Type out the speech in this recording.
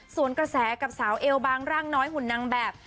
ส่วนกระแสกับสาวเอวบางร่างน้อยหุ่นนางแบบ